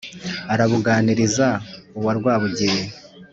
arabúganiriza uwa rwábugiri